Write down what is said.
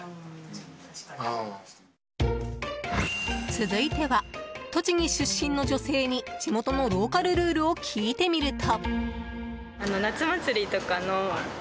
続いては、栃木出身の女性に地元のローカルルールを聞いてみると。